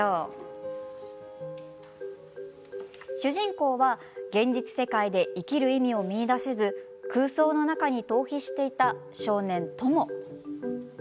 主人公は、現実世界で生きる意味を見いだせず空想の中に避難していた少年トモ。